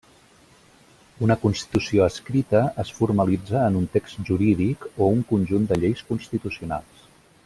Una constitució escrita es formalitza en un text jurídic o un conjunt de lleis constitucionals.